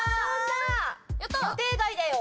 予定外だよ。